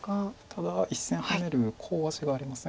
ただ１線ハネるコウ味があります。